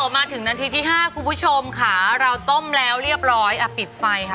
มาถึงนาทีที่๕คุณผู้ชมค่ะเราต้มแล้วเรียบร้อยอ่ะปิดไฟค่ะ